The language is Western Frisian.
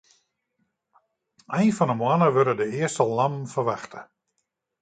Ein fan 'e moanne wurde de earste lammen ferwachte.